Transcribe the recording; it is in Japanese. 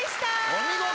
お見事。